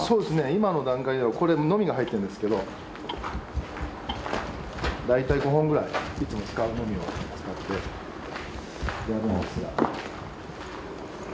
今の段階ではこれノミが入ってんですけど大体５本ぐらいいつも使うノミを使ってやるのですが。